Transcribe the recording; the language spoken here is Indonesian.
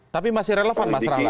tapi masih relevan mas rahlan